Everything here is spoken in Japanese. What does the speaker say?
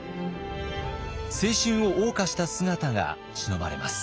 青春をおう歌した姿がしのばれます。